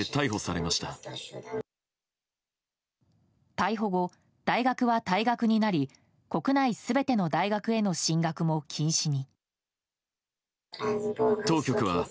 逮捕後、大学は退学になり国内全ての大学への進学も禁止に。